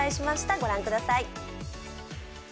御覧ください。